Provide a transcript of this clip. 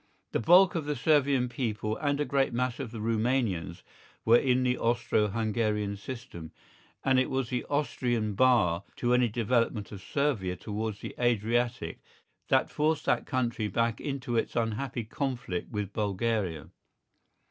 The bulk of the Servian people and a great mass of the Rumanians were in the Austro Hungarian system, and it was the Austrian bar to any development of Servia towards the Adriatic that forced that country back into its unhappy conflict with Bulgaria.